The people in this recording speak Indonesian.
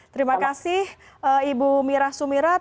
terima kasih ibu mira sumirat